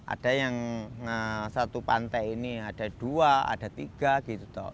ada yang satu pantai ini ada dua ada tiga gitu